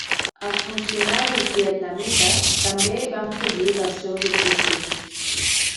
Els funcionaris vietnamites també van fugir dels seus oficis.